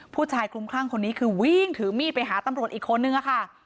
ผู้ชายคลุมคลั่งคนนี้คือวิ่งถือมีดไปหาตำรวจอีกคนนึงค่ะ